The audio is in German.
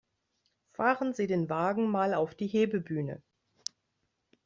Fahren Sie den Wagen mal auf die Hebebühne!